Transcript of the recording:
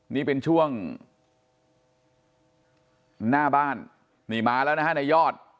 นี่เป็นช่วงหน้าบ้านนี่มาแล้วนะฮะในยอด